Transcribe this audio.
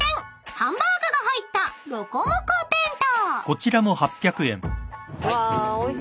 ハンバーグが入ったロコモコ弁当］